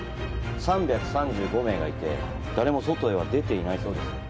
３３５名がいて誰も外に出ていないそうです。